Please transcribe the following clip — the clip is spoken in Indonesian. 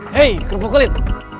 hei kerupuk kulit